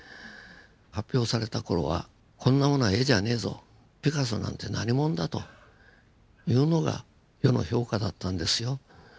発表された頃はこんなものは絵じゃねえぞピカソなんて何者だというのが世の評価だったんですよ。